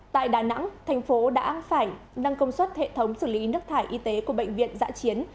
tại đà nẵng thành phố đã phải nâng công suất hệ thống xử lý nước thải y tế của bệnh viện giã chiến